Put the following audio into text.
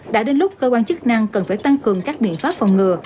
đã đến lúc cơ quan chức năng cần phải tăng cường các biện pháp phòng ngừa